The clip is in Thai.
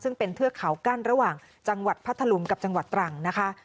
ซึ่งเป็นเทือกเขากั้นระหว่างจังหวัดพัทธลุงกับจังหวัดตรังนะคะ